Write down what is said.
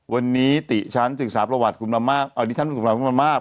วันนี้ติฉันจึกษาประวัติคุณลำมาก